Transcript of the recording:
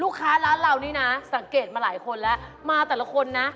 ร้านเรานี่นะสังเกตมาหลายคนแล้วมาแต่ละคนนะ